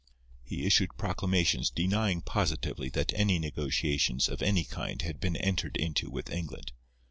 He issued proclamations denying positively that any negotiations of any kind had been entered into with England.